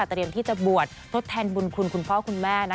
เตรียมที่จะบวชทดแทนบุญคุณคุณพ่อคุณแม่